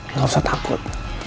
gak usah takut